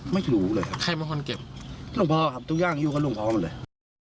ไม่รู้เลยครับใครเป็นคนเก็บหลวงพ่อครับทุกอย่างอยู่กับหลวงพ่อหมดเลย